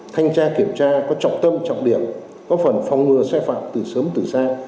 thanh tra kiểm tra có trọng tâm trọng điểm góp phần phòng ngừa sai phạm từ sớm từ xa